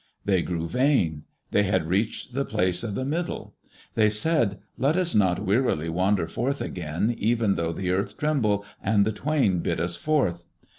They grew vain. They had reached the Place of the Middle. They said, "Let us not wearily wander forth again even though the earth tremble and the Twain bid us forth."